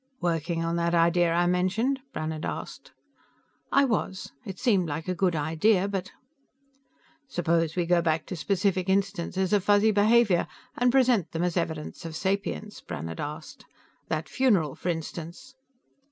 "Working on that idea I mentioned?" Brannhard asked. "I was. It seemed like a good idea but...." "Suppose we go back to specific instances of Fuzzy behavior, and present them as evidence of sapience?" Brannhard asked. "That funeral, for instance."